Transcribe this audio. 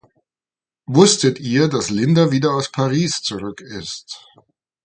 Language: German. Wusstet ihr, dass Linda wieder aus Paris zurück ist?